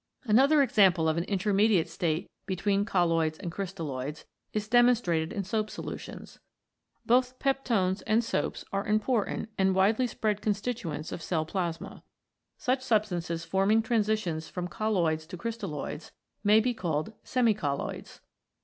Another example of an intermediate state between colloids and crystalloids is demonstrated in soap solutions. Both peptones and soaps are important and widely spread constituents of cell plasma. Such sub stances forming transitions from colloids to crystalloids may be called Semicolloids.